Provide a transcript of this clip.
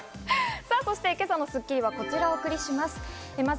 そして今朝の『スッキリ』はこちらをお送りします。